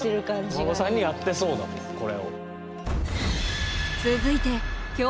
お孫さんにやってそうだもんこれを。